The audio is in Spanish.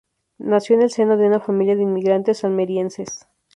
Nació en el seno de una familia de inmigrantes almerienses.